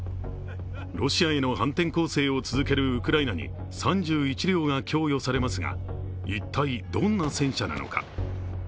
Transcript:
ロシアへの判定攻勢を続けるウクライナに３１両が供与されますが一体どんな戦車なのか。